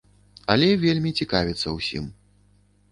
Але вельмі цікавіцца ўсім.